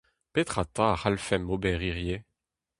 Petra 'ta a c'hallfemp ober hiziv ?